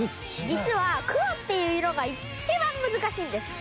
実は黒っていう色が一番難しいんです。